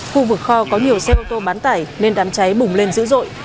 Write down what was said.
khu vực kho có nhiều xe ô tô bán tải nên đám cháy bùng lên dữ dội